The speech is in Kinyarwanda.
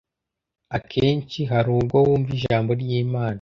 Akenshi hari ubwo wumva ijambo ry’Imana,